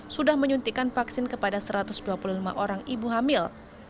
sudah menyuntikan vaksin kepada satu ratus dua puluh lima orang ibu hamil